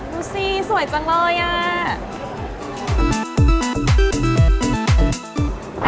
ดูสิสวยจังเลยอ่ะ